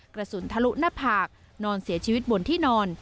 กระสุนทะลุหน้าผากนอนเสียชีวิตบนที่นอน